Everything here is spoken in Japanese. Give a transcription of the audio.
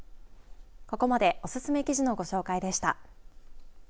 ここまでおすすめ記事のご紹介でした。